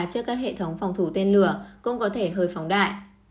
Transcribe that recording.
trước các hệ thống phòng thủ tên lửa cũng có thể hơi phóng đại